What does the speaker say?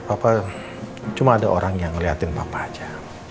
apa cuma ada orang yang ngeliatin papa aja